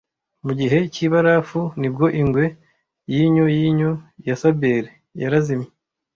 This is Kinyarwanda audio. Mu gihe cyibarafu ni bwo ingwe yinyo yinyo ya saber yarazimye.